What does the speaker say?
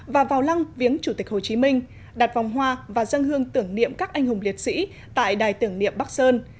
và vào lăng viếng chủ tịch hồ chí minh đặt vòng hoa và dân hương tưởng niệm các anh hùng liệt sĩ tại đài tưởng niệm bắc sơn